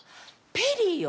ペリーよ！